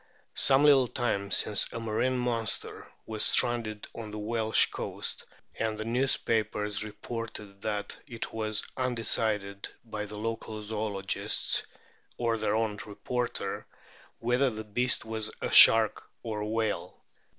Some little time since a marine monster was stranded on the Welsh coast, and the newspapers reported that it was un decided by the local zoologists, or their own reporter, whether the beast was a shark or a whale.